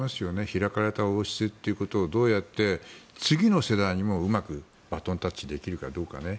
開かれた王室ということをどうやって次の世代にもうまくバトンタッチできるかどうかね。